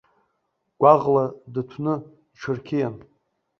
Гәаӷла дыҭәны, иҽырқьиан.